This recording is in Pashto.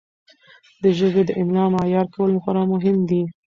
د ژبې د املاء معیار کول خورا مهم دي.